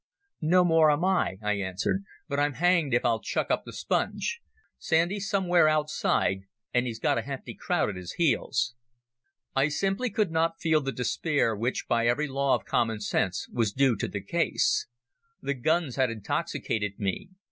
"No more am I," I answered; "but I'm hanged if I'll chuck up the sponge. Sandy's somewhere outside, and he's got a hefty crowd at his heels." I simply could not feel the despair which by every law of common sense was due to the case. The guns had intoxicated me.